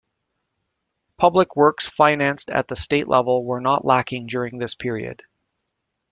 Public works financed at the state level were not lacking during this period.